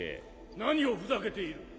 何をふざけている！